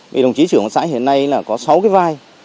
vì đồng chí trưởng xã hiện nay có sáu vai